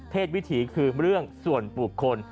เทศวิถีคือเรื่องส่วนปลูกคน